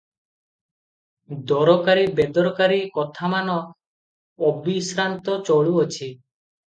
ଦରକାରୀ ବେଦରକାରୀ କଥାମାନ ଅବିଶ୍ରାନ୍ତ ଚଳୁଅଛି ।